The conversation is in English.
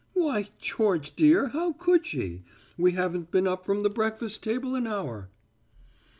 "Why, George, dear, how could she? We haven't been up from the breakfast table an hour."